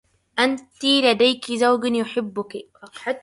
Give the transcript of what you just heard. أنتِ لديكِ زوج يحبُّكِ.